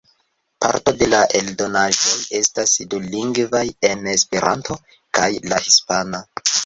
Parto de la eldonaĵoj estas dulingvaj, en Esperanto kaj la hispana.